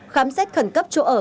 khám xét khẩn cấp chỗ ở